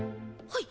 はい。